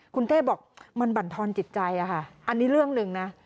คุณเต้บอกมันบรรทอนจิตใจอะค่ะอันนี้เรื่องหนึ่งนะ